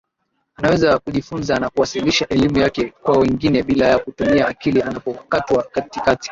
Anaweza kujifunza na kuwasilisha elimu yake kwa wengine bila ya kutumia akili Anapokatwa katikati